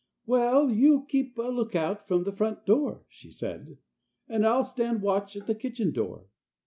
"Well, you keep a lookout from the front door," she said, "and I'll stand watch at the kitchen door.